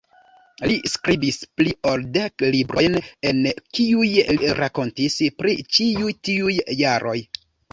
Li skribis pli ol dek librojn, en kiuj li rakontis pri ĉi tiuj jaroj.